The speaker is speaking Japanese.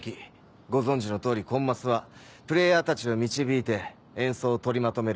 ご存じの通りコンマスはプレーヤーたちを導いて演奏を取りまとめる